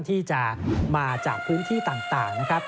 ที่จะมาจากพื้นที่ต่างนะครับ